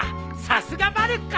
さすがまる子。